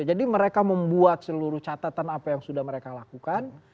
jadi mereka membuat seluruh catatan apa yang sudah mereka lakukan